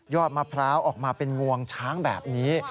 มะพร้าวออกมาเป็นงวงช้างแบบนี้